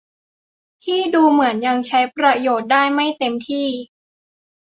ที่ดูเหมือนยังใช้ประโยชน์ได้ไม่เต็มที่